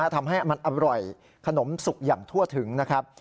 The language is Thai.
ทำให้มันอร่อยขนมสุกอย่างทั่วถึงนะครับ